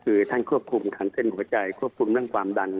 คือท่านควบคุมทั้งเส้นหัวใจควบคุมเรื่องความดัน